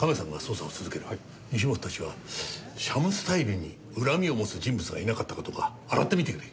西本たちはシャムスタイルに恨みを持つ人物がいなかったかどうか洗ってみてくれ。